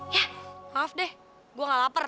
ya maaf deh gue gak lapar